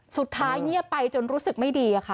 สุดท้ายเงียบไปจนรู้สึกไม่ดี